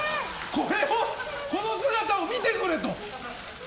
この姿を見てくれと。